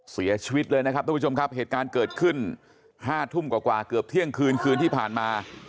เสียชีวิตเลยนะครับทุกผู้ชมครับเหตุการณ์เกิดขึ้น๕ทุ่มกว่าเกือบเที่ยงคืนคืนที่ผ่านมา